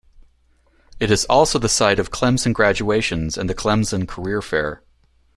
It is also the site of Clemson graduations and the Clemson Career Fair.